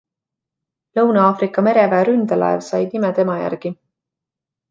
Lõuna-Aafrika mereväe ründelaev sai nime tema järgi.